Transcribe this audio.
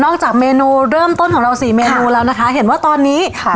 จากเมนูเริ่มต้นของเราสี่เมนูแล้วนะคะเห็นว่าตอนนี้ค่ะ